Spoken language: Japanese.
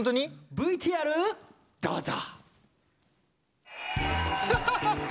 ＶＴＲどうぞ！